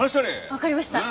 わかりました。